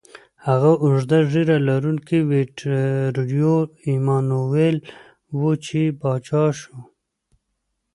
هغه اوږده ږیره لرونکی ویټوریو ایمانویل و، چې پاچا شو.